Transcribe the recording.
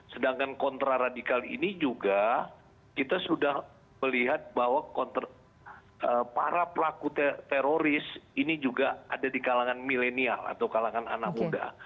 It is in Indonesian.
sedangkan kontraradikal ini juga kita sudah melihat bahwa para pelaku teroris ini juga ada di kalangan milenial atau kalangan anak muda